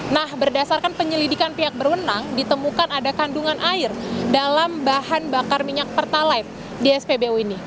nah berdasarkan penyelidikan pihak berwenang ditemukan ada kandungan air dalam bahan bakar minyak pertalite di spbu ini